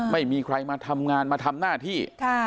ไม่มีใครมาทำงานมาทำหน้าที่